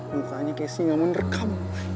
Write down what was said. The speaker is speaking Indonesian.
mukanya kayak si gak mau nerekam